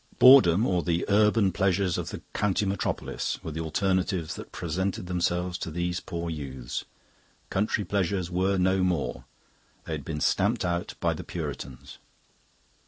Boredom or the urban pleasures of the county metropolis were the alternatives that presented themselves to these poor youths. Country pleasures were no more; they had been stamped out by the Puritans.